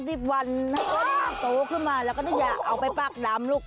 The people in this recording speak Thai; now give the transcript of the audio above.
ให้มันโดนครับโตขึ้นมาแล้วก็จะเอาไปบากดำลูก